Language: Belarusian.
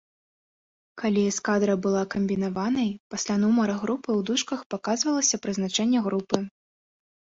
Калі эскадра была камбінаванай, пасля нумара групы ў дужках паказвалася прызначэнне групы.